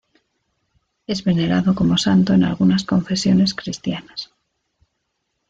Es venerado como santo en algunas confesiones cristianas.